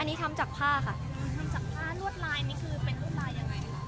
อันนี้ทำจากผ้าค่ะทำจากผ้าลวดลายนี่คือเป็นลวดลายยังไงคะ